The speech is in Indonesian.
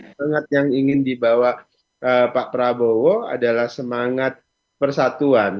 semangat yang ingin dibawa pak prabowo adalah semangat persatuan